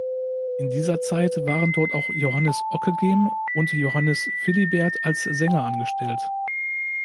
In dieser Zeit waren dort auch Johannes Ockeghem und Johannes Philibert als Sänger angestellt.